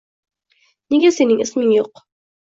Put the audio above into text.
Nega sening isming yo’q?